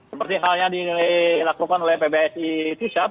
seperti hal yang dilakukan oleh pbsi tusat